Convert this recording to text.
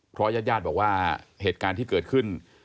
เพราะญาติญาติบอกว่าเหตุการณ์ที่เกิดขึ้น